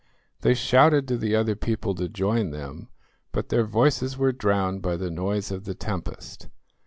They shouted to the other people to join them, but their voices were drowned by the noise of the tempest.